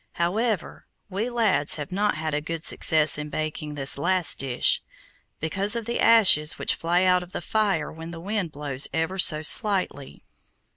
However, we lads have not had good success in baking this last dish, because of the ashes which fly out of the fire when the wind blows ever so slightly.